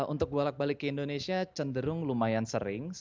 untuk bolak balik ke indonesia cenderung lumayan sering